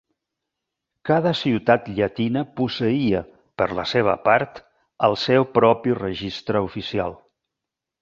Cada ciutat llatina posseïa, per la seva part, el seu propi registre oficial.